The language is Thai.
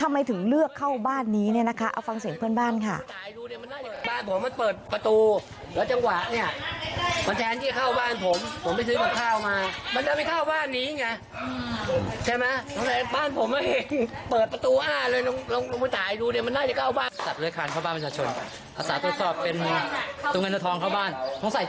ทำไมถึงเลือกเข้าบ้านนี้เนี่ยนะคะเอาฟังเสียงเพื่อนบ้านค่ะ